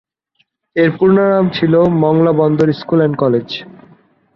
এর পূর্ব নাম ছিল মংলা বন্দর স্কুল অ্যান্ড কলেজ।